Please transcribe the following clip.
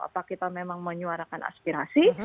apa kita memang menyuarakan aspirasi